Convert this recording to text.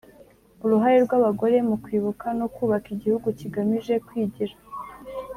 Uruhare rw abagore mu kwibuka no kubaka igihugu kigamije kwigira